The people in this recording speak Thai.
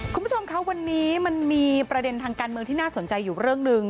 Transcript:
คุณผู้ชมคะวันนี้มันมีประเด็นทางการเมืองที่น่าสนใจอยู่เรื่องหนึ่ง